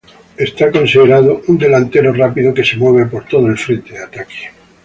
Es considerado un delantero rápido que se mueve por todo el frente de ataque.